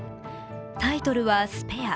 タイトルは「スペア」。